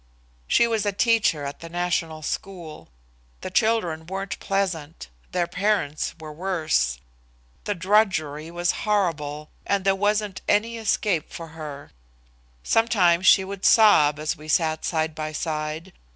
She was a teacher at the national school. The children weren't pleasant, their parents were worse. The drudgery was horrible, and there wasn't any escape for her. Sometimes she would sob as we sat side by side.